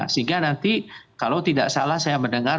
sehingga nanti kalau tidak salah saya mendengar